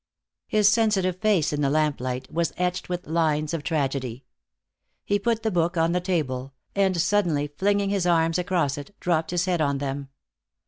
His sensitive face in the lamplight was etched with lines of tragedy. He put the book on the table, and suddenly flinging his arms across it, dropped his head on them.